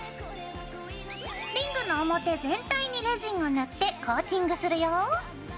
リングの表全体にレジンを塗ってコーティングするよ。